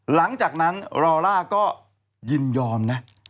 หลังจากนั้นรอล่าก็ยินยอมนะ